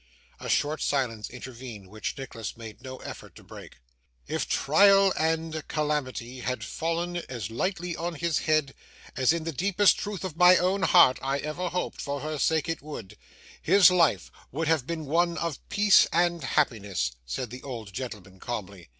A short silence intervened, which Nicholas made no effort to break. 'If trial and calamity had fallen as lightly on his head, as in the deepest truth of my own heart I ever hoped (for her sake) it would, his life would have been one of peace and happiness,' said the old gentleman calmly.